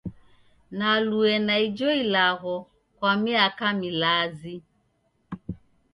Nalue na ijo ilagho kwa miaka milazi.